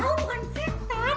aku bukan setan